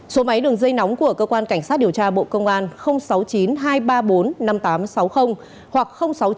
số máy đường dây nóng của cơ quan cảnh sát điều tra bộ công an sáu mươi chín hai trăm ba mươi bốn năm nghìn tám trăm sáu mươi hoặc sáu mươi chín hai trăm ba mươi một một nghìn sáu trăm